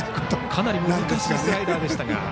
かなり難しいスライダーでした。